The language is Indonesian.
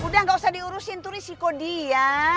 udah gak usah diurusin tuh risiko dia